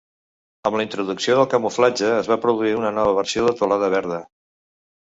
Amb la introducció del camuflatge, es va produir una nova versió de teulada verda.